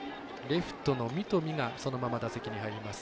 レフトの三富がそのまま打席に入ります。